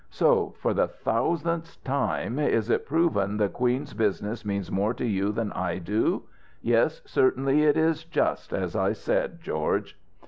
"So, for the thousandth time, is it proven the Queen's business means more to you than I do. Yes, certainly it is just as I said, George."